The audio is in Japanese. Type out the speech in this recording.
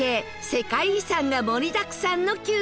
世界遺産が盛りだくさんの『Ｑさま！！』。